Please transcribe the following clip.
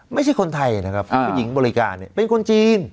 ไม่ใช่คนไทยนะครับผู้หญิงบริการเนี่ยเป็นคนจีน